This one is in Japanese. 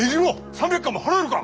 ３百貫も払えるか！